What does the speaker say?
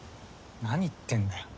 何言ってんだよ。